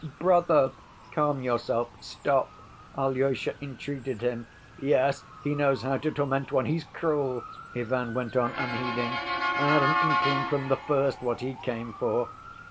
"Brother, calm yourself, stop!" Alyosha entreated him. "Yes, he knows how to torment one. He's cruel," Ivan went on, unheeding. "I had an inkling from the first what he came for.